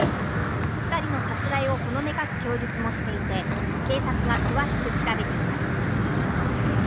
２人の殺害をほのめかす供述もしていて警察が詳しく調べています。